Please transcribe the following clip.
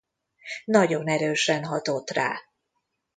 Nagyon erősen hatott rá.